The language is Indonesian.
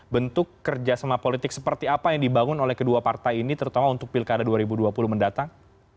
bentuk kerjasama politik seperti apa yang dibangun oleh kedua partai ini terutama untuk pilkada dua ribu dua puluh mendatang